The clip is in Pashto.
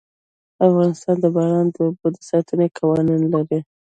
افغانستان د باران د اوبو د ساتنې قوانين لري.